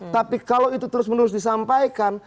tapi kalau itu terus menerus disampaikan